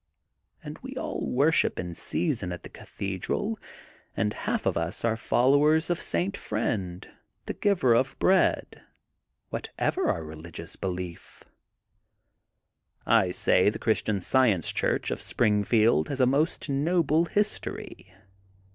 And we all worship in season at the Cathedral, and half of us are followers of St. Friend, the Giver of Bread, whatever our religious belief. I say the Christian Science Church of Springfield has a most noble history.